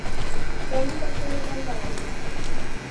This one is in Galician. ¿Sóalle o pacto local da auga?